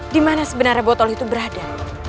dimana sebenarnya botol itu berada